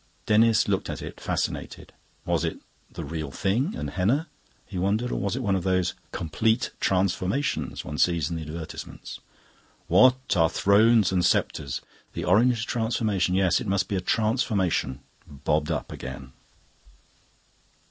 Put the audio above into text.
Denis looked at it, fascinated. Was it the Real Thing and henna, he wondered, or was it one of those Complete Transformations one sees in the advertisements? "'What are Thrones and Sceptres?'" The orange Transformation yes, it must be a Transformation bobbed up again.